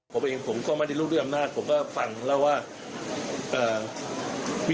ผมเองผมก็ไม่ได้รู้ด้วยอำนาจผมก็ฟังแล้วว่า